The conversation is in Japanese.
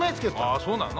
あそうなの？